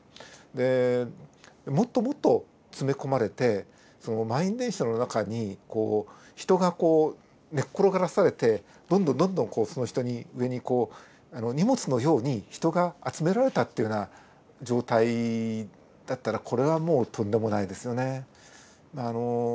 でもっともっと詰め込まれてその満員電車の中に人がこう寝っ転がらされてどんどんどんどんその人に上にこう荷物のように人が集められたっていうような状態だったらこれはもうとんでもないですよね。